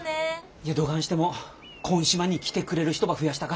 いやどがんしてもこん島に来てくれる人ば増やしたか。